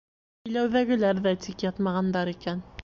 Иләүҙәгеләр ҙә тик ятмағандар икән.